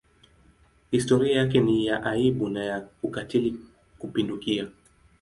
Historia yake ni ya aibu na ya ukatili kupindukia.